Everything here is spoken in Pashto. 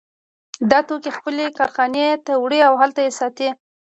دا توکي خپلې کارخانې ته وړي او هلته یې ساتي